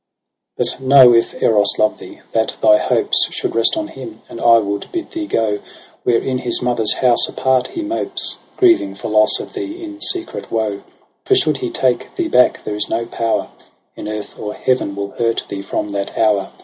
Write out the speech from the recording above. ' But know if Eros love thee, that thy hopes Should rest on him • and I would bid thee go Where in his mother's house apart he mopes Grieving for loss of thee in secret woe : For should he take thee back, there is no power In earth or heaven will hurt thee from that hour.